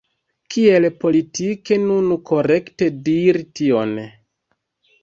Kiel politike nun korekte diri tion?